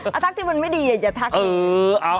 เอาทักทิว่ามันไม่ดีก่อนทักอย่าทักอีก